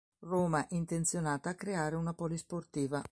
Roma intenzionata a creare una polisportiva.